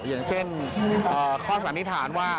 อย่างเช่นข้อสันนิษฐานว่า